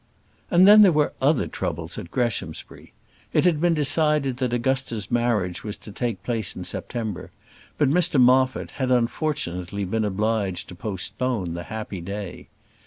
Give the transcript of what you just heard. And then there were other troubles at Greshamsbury. It had been decided that Augusta's marriage was to take place in September; but Mr Moffat had, unfortunately, been obliged to postpone the happy day.